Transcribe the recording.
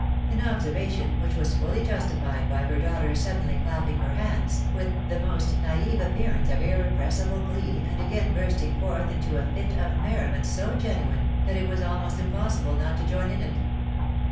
An observation which was fully justified by her daughter suddenly clapping her hands, with the most naive appearance of irrepressible glee, and again bursting forth into a fit of merriment so genuine, that it was almost impossible not to join in it.